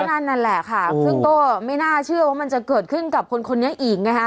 นั่นแหละค่ะซึ่งก็ไม่น่าเชื่อว่ามันจะเกิดขึ้นกับคนคนนี้อีกนะคะ